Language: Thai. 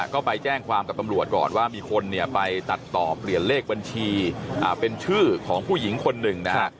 ก็ไปแจ้งความกับตำรวจก่อนว่ามีคนเนี่ยไปตัดต่อเปลี่ยนเลขบัญชีเป็นชื่อของผู้หญิงคนหนึ่งนะฮะ